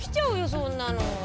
そんなの！